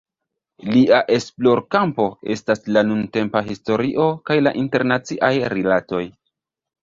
Lia esplorkampo estas la nuntempa historio kaj la internaciaj rilatoj.